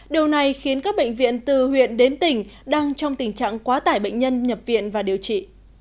điều này khiến các bệnh viện từ huyện đến tỉnh đang trong tình trạng quá tải bệnh nhân nhập viện và điều trị